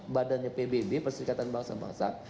badannya pbb perserikatan bangsa bangsa